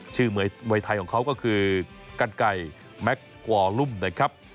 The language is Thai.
ชื่อมวยทัยของเขาก็คือกันไกมแม่ก์กวอรุ่มนะครับ